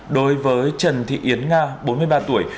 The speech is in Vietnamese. đối với trần thị yến nga bốn mươi ba tuổi